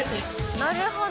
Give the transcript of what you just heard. なるほど。